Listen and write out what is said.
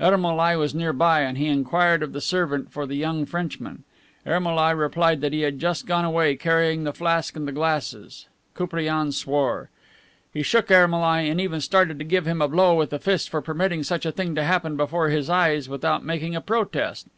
Ermolai was near by, and he inquired of the servant for the young Frenchman. Ermolai replied that he had just gone away, carrying the flask and the glasses. Koupriane swore. He shook Ermolai and even started to give him a blow with the fist for permitting such a thing to happen before his eyes without making a protest.